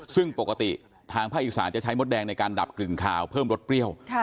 ซึ่งปกติทางภาคอีสานจะใช้มดแดงในการดับกลิ่นคาวเพิ่มรสเปรี้ยว